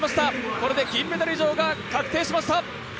これで銀メダル以上が確定しました！